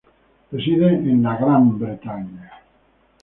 Reside en Gran Bretaña.